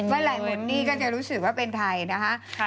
ว่าไหล่หมดหนี้ก็จะรู้สึกว่าเป็นใทนะฮะ